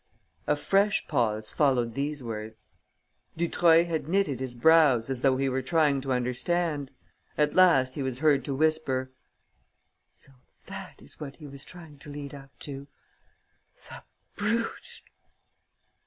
A fresh pause followed these words. Dutreuil had knitted his brows as though he were trying to understand. At last he was heard to whisper: "So that is what he was trying to lead up to!... The brute!..."